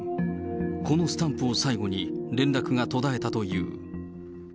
このスタンプを最後に連絡が途絶えたという。